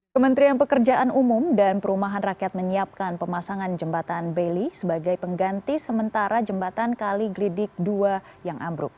kementerian pekerjaan umum dan perumahan rakyat menyiapkan pemasangan jembatan bailey sebagai pengganti sementara jembatan kaliglidik dua yang ambruk